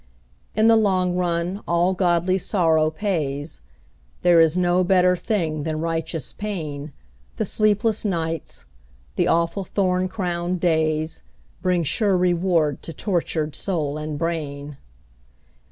In the long run all godly sorrow pays, There is no better thing than righteous pain, The sleepless nights, the awful thorn crowned days, Bring sure reward to tortured soul and brain.